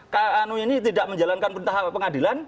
kanu ini tidak menjalankan perintah pengadilan